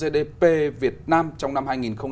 tp việt nam trong năm hai nghìn ba mươi